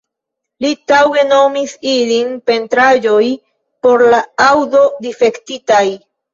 Li taŭge nomis ilin "Pentraĵoj por la Aŭdo-Difektitaj.